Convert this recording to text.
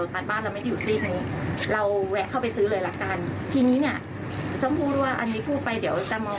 ท่านจะเข้าไปซื้อล่ะการที่นี้